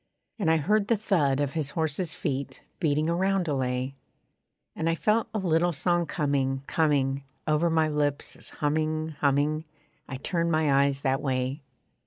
And I heard the thud of his horse's feet Beating a roundelay. And I felt a little song coming, coming Over my lips as humming, humming, I turned my eyes that way.